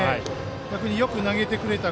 逆に、よく投げてくれたと。